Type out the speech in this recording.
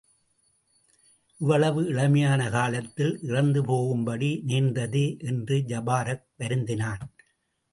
இவ்வளவு இளமையான காலத்தில் இறந்துபோகும்படி நேர்ந்ததே! என்று ஜபாரக் வருந்தினான்.